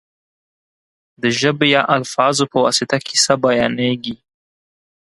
د ژبې یا الفاظو په واسطه کیسه بیانېږي.